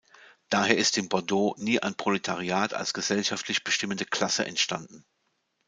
Daher ist in Bordeaux nie ein Proletariat als gesellschaftlich bestimmende Klasse entstanden.